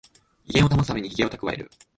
威厳を保つためにヒゲをたくわえる